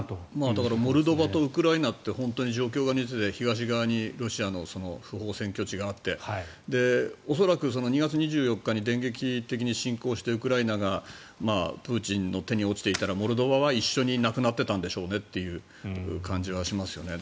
だからモルドバとウクライナって本当に状況が似ていて東側にロシアの不法占拠地があって恐らく２月２４日に電撃的に侵攻してプーチンの手に落ちていたらモルドバは一緒になくなってたんでしょうねという感じはしますよね。